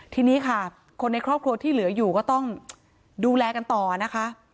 ทีนี้ค่ะคนในครอบครัวที่เหลืออยู่ก็ต้องดูแลกันต่อนะคะ